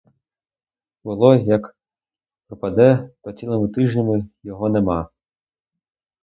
Було, як пропаде, то цілими тижнями його нема.